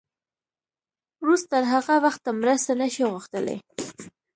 روس تر هغه وخته مرسته نه شي غوښتلی.